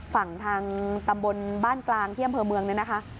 ฝั่งทางตำบลบ้านกลางที่อำเภอเมืองเนี่ยนะคะ